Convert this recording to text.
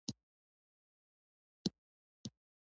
پوهه د تیارو دښمن ده.